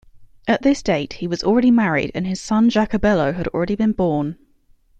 At this date, he was already married, and his son Jacobello had been born.